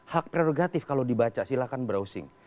hak prerogatif kalau dibaca silahkan browsing